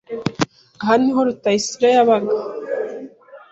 Aha niho Rutayisire yabaga.